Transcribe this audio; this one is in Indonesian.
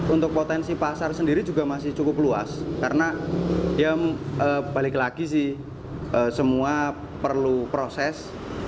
untuk potensi pasar sendiri juga masih cukup luas karena dia balik lagi sih semua perlu proses